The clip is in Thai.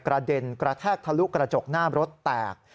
กระเด็นกระแทกทะลุกระจกหน้ารถแตก